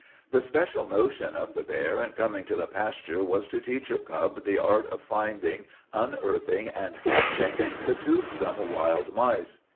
The special notion of the bear in coming to the pasture was to teach her cub the art of finding, unearthing, and catching the toothsome wild mice.